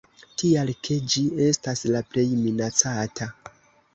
Tial, ke ĝi estas la plej minacata.